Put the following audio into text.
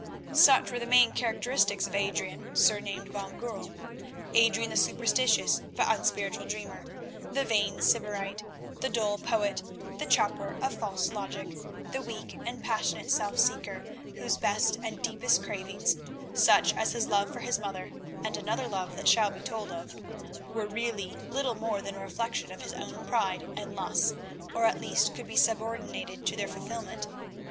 Such were the main characteristics of Adrian, surnamed van Goorl; Adrian the superstitious but unspiritual dreamer, the vain Sybarite, the dull poet, the chopper of false logic, the weak and passionate self seeker, whose best and deepest cravings, such as his love for his mother and another love that shall be told of, were really little more than a reflection of his own pride and lusts, or at least could be subordinated to their fulfilment.